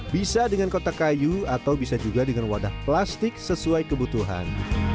bisa dengan kotak kayu atau bisa juga dengan wadah plastik sesuai kebutuhan